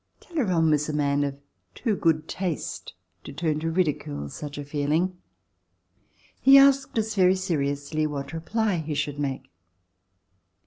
Talleyrand was a man of too good taste to turn to ridicule such a feeling. He asked us very seriously what reply he should make.